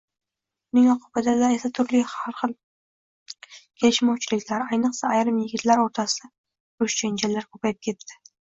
Buning oqibatida esa, har xil kelishmovchiliklar, ayniqsa, ayrim yigitlar oʻrtasida urush-janjallar koʻpayib ketdi.